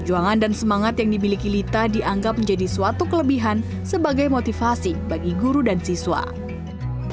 perjuangan dan semangat yang dimiliki lita dianggap menjadi suatu kelebihan sebagai motivasi bagi guru dan siswa